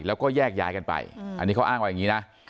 แล้วก็แยกย้ายกันไปอันนี้เขาอ้างไว้อย่างนี้นะ